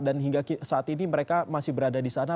dan hingga saat ini mereka masih berada di sana